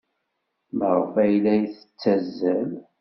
Maɣef ay la tettazzal?